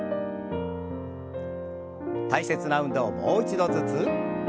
大切な運動をもう一度ずつ。